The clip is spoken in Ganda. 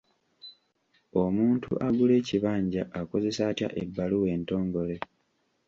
Omuntu agula ekibanja akozesa atya ebbaluwa entongole?